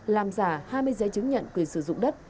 làm giả hai mươi giấy chứng nhận quyền sử dụng đất